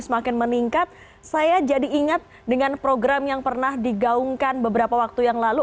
semakin meningkat saya jadi ingat dengan program yang pernah digaungkan beberapa waktu yang lalu